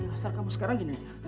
asal kamu sekarang begini saja